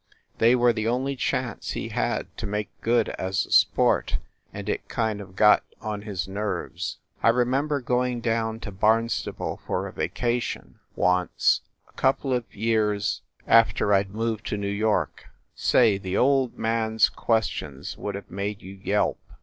They were the only chance he had to make good as a sport, and it kind of got on his nerves. I remember going down to Barnstable for a vacation, once, a couple of years 6o FIND THE WOMAN after I d moved to New York. Say, the old man s questions would have made you yelp.